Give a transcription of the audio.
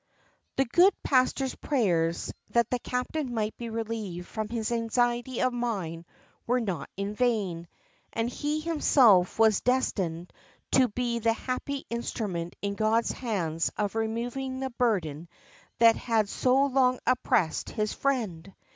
The good pastor's prayers that the captain might be relieved from his anxiety of mind were not in vain, and he himself was destined to be the happy instrument in God's hands of removing the burden that had so long oppressed his friend.